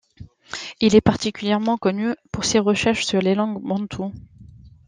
Il est particulièrement connu pour ses recherches sur les langues bantoues.